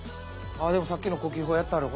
あでもさっきの呼吸法やってはる。